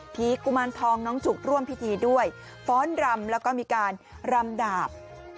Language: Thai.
กุมารทองน้องจุกร่วมพิธีด้วยฟ้อนรำแล้วก็มีการรำดาบ